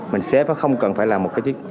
mình xếp nó không cần phải là một chiếc